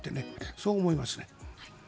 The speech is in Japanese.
そう思いますね。